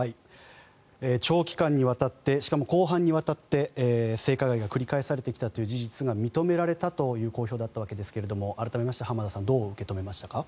長期間にわたってしかも広範にわたって性加害が繰り返されてきたという事実が認められたという公表だったわけですが改めまして浜田さんどう受け止めましたか。